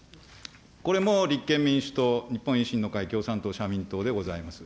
これも立憲民主党、日本維新の会、共産党、社民党でございます。